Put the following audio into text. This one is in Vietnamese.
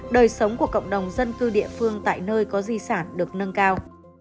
đời sống của cộng đồng dân cư địa phương tại nơi có di sản được nâng cao